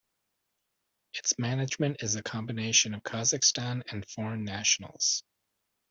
Its management is a combination of Kazakhstan and foreign nationals.